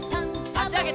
あしあげて。